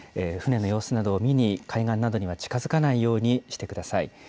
船の様子などを見に、海岸などには近づかないようにしてください。